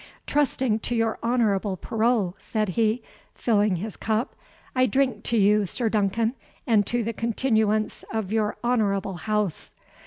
"Trusting to your honourable parole," said he, filling his cup, "I drink to you, Sir Duncan, and to the continuance of your honourable house."